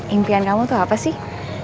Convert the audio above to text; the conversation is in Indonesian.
impian kamu tuh apa sih